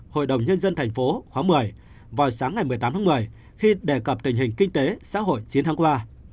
hội đồng nhân dân thành phố khóa một mươi vào sáng ngày một mươi tám tháng một mươi khi đề cập tình hình kinh tế xã hội chín tháng qua